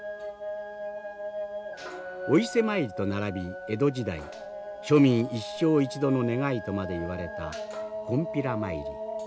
お伊勢参りと並び江戸時代庶民一生一度の願いとまでいわれたこんぴら詣り。